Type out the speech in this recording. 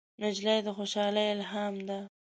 نجلۍ د خوشحالۍ الهام ده.